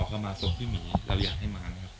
เขามาส่งพี่หมีเราอยากให้มานะครับ